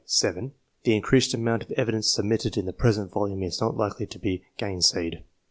7), the increased amount of evidence submitted in the present volume is not likely to be gainsaid.